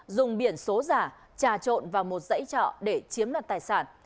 dùng biển số giả trà trộn vào một dãy trọ để chiếm đoạt tài sản